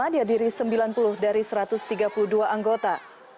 dihadiri sembilan puluh dari satu ratus tiga puluh dua anggota